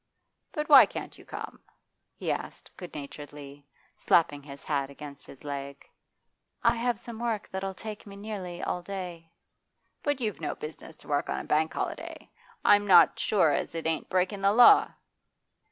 'But why can't you come?' he asked good naturedly, slapping his hat against his leg. 'I have some work that'll take me nearly all day.' 'But you've no business to work on a bank holiday. I'm not sure as it ain't breakin' the law.